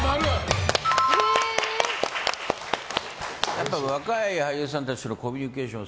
やっぱり若い俳優さんたちとのコミュニケーション